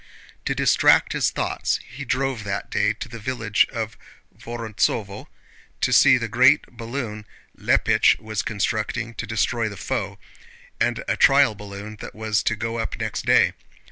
To distract his thoughts he drove that day to the village of Vorontsóvo to see the great balloon Leppich was constructing to destroy the foe, and a trial balloon that was to go up next day.